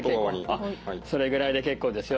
それぐらいで結構ですよ。